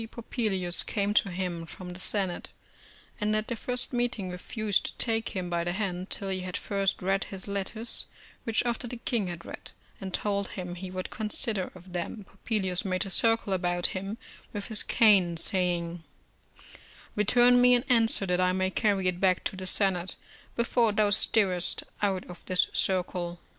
Popilius came to him from the Senate, and at their first meeting refused to take him by the hand, till he had first read his letters, which after the king had read, and told him he would consider of them, Popilius made a circle about him with his cane, saying: "Return me an answer, that I may carry it back to the Senate, before thou stirrest out of this circle."